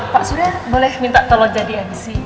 pak surya boleh minta tolong jadi abis ini